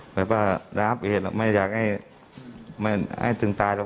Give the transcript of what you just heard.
เหมือนว่ารับเหตุไม่อยากให้จึงตายหรอก